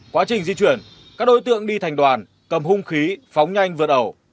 quá trình di chuyển các đối tượng đi thành đoàn cầm hung khí phóng nhanh vượt ẩu